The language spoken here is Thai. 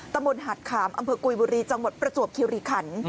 ตะมุนหัดขามอำเภอกุยบุรีจังหวัดประสุทธิ์คิริขัน